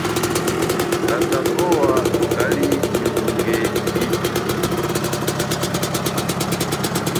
Tata powa kali nyi mbunge ipi.